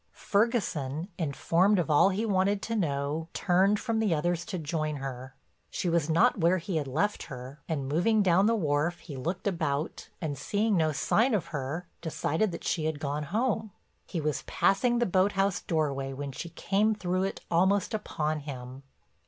Ferguson, informed of all he wanted to know, turned from the others to join her. She was not where he had left her, and moving down the wharf he looked about and, seeing no sign of her, decided that she had gone home. He was passing the boathouse doorway when she came through it almost upon him.